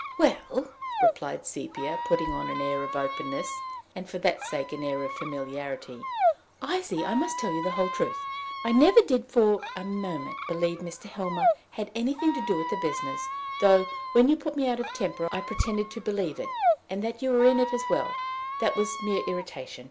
"Well," replied Sepia, putting on an air of openness, and for that sake an air of familiarity, "I see I must tell you the whole truth. I never did for a moment believe Mr. Helmer had anything to do with the business, though, when you put me out of temper, I pretended to believe it, and that you were in it as well: that was mere irritation.